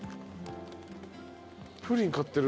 プリン買ってる。